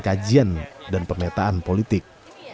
kajian dan pemetaan politik